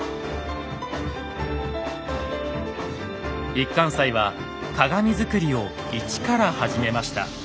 一貫斎は鏡作りを一から始めました。